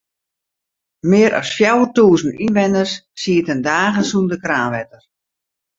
Mear as fjouwertûzen ynwenners sieten dagen sûnder kraanwetter.